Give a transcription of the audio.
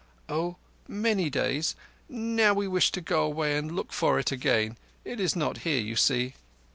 "Oh, many days. Now we wish to go away and look for it again. It is not here, you see."